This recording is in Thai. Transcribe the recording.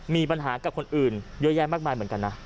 มีปัญหากับคนอื่นเยอะแยะมากมายเหมือนกันนะ